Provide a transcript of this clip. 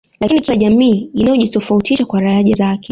Lakini kila jamii inajitofautisha kwa lahaja yake